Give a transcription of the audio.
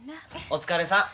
お疲れさん。